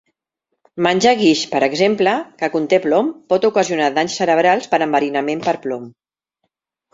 Menjar guix, per exemple, que conté plom, pot ocasionar danys cerebrals per enverinament per plom.